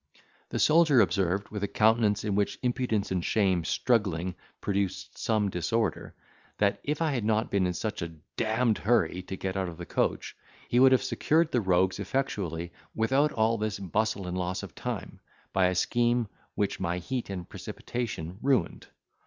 The soldier observed, with a countenance in which impudence and shame struggling, produced some disorder, that if I had not been in such a d—d hurry to get out of the coach, he would have secured the rogues effectually, without all this bustle and loss of time, by a scheme, which my heat and precipitation ruined.